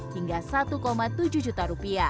hingga rp satu tujuh juta